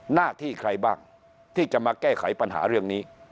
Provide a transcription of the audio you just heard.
หน้าที่ใครบ้างที่จะมาแก้ไขปัญหาเรื่องนี้